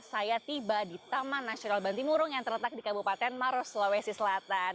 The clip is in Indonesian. saya tiba di taman nasional bantimurung yang terletak di kabupaten maros sulawesi selatan